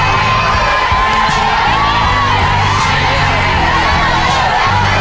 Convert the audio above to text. นับเวลา